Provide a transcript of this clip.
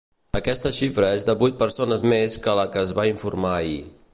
Aquesta xifra és de vuit persones més que la que es va informar ahir.